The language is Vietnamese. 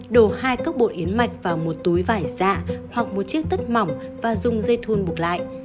đổ hai cốc bộ yến mạch vào một túi vải dạ hoặc một chiếc tất mỏng và dùng dây thun bục lại